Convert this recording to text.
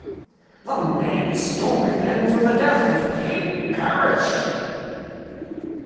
The main story ends with the death of King Parikshit.